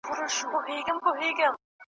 پر باوړۍ باندي غویی یې وو لیدلی ,